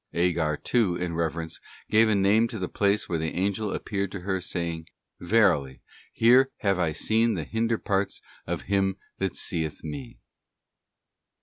Agar, too, in reverence, gave a name to the place where the Angel appeared to her, saying, ' Verily here have I seen the hinder parts of Him that seeth me.